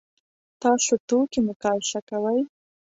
تاسو توکي مقایسه کوئ؟